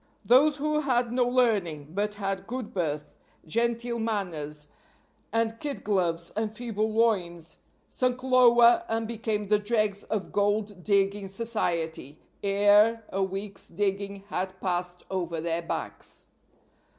Those who had no learning, but had good birth, genteel manners and kid gloves and feeble loins, sunk lower and became the dregs of gold digging society ere a week's digging had passed over their backs.